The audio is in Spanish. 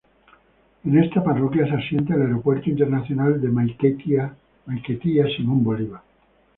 En esta parroquia se asienta el Aeropuerto Internacional de Maiquetía Simón Bolívar.